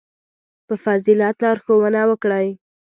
• په فضیلت لارښوونه وکړئ.